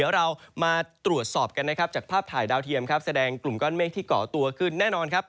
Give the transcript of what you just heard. เรามาตรวจสอบกันครับจากภาพถ่ายดาวเทียมแกร่งกลุ่มก้อนเมฆที่ก่อตัวขึ้น